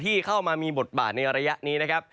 ที่เข้ามามีบทบาทในระยะนี้นะครับ